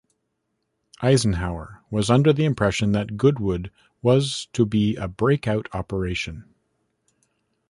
Eisenhower was under the impression that Goodwood was to be a break out operation.